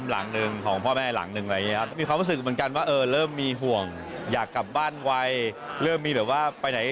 แล้วไม่ได้แพงอะไรแบบนั้นครับปกติครับ